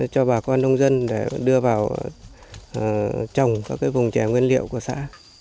cho bà con nông dân để đưa vào trồng các vùng chè nguyên liệu của xã